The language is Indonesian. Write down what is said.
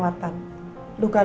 luka lukanya sedang berubah